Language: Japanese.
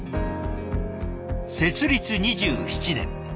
設立２７年。